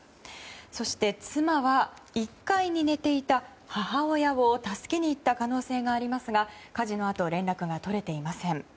そして、妻は１階に寝ていた母親を助けに行った可能性がありますが火事のあと連絡が取れていません。